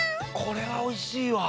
これはおいしいわ。